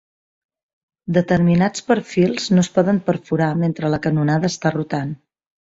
Determinats perfils no es poden perforar mentre la canonada està rotant.